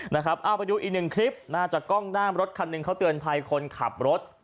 เอาไปดูอีกหนึ่งคลิปน่าจะกล้องหน้ารถคันหนึ่งเขาเตือนภัยคนขับรถ